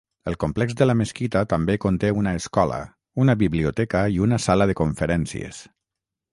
El complex de la mesquita també conté una escola, una biblioteca i una sala de conferències.